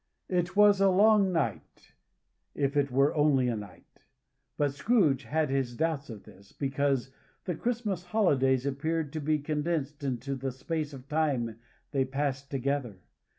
It was a long night, if it were only a night; but Scrooge had his doubts of this, because the Christmas Holidays appeared to be condensed into the space of time they passed together.